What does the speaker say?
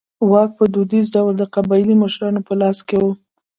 واک په دودیز ډول د قبایلي مشرانو په لاس کې و.